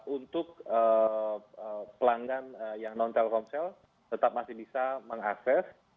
untuk pelanggan yang non telkomsel tetap masih bisa mengakses